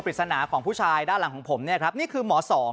ปริศนาของผู้ชายด้านหลังของผมเนี่ยครับนี่คือหมอสอง